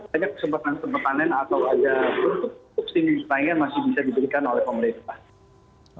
masih bisa diberikan oleh pemerintah